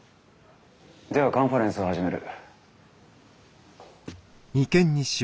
ではカンファレンスを始める。